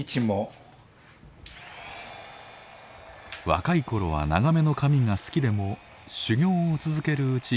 若い頃は長めの髪が好きでも修行を続けるうち